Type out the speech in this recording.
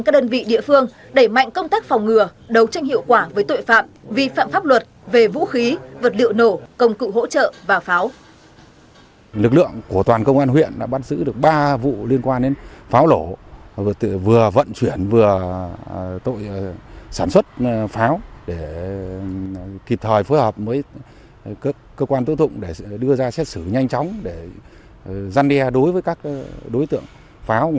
các đơn vị địa phương đẩy mạnh công tác phòng ngừa đấu tranh hiệu quả với tội phạm vi phạm pháp luật về vũ khí vật liệu nổ công cụ hỗ trợ và pháo